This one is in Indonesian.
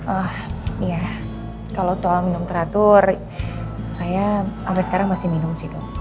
ah iya kalau soal minum teratur saya sampai sekarang masih minum sih dok